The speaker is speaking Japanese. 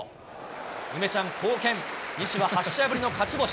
梅ちゃん、貢献、西は８試合ぶりの勝ち星。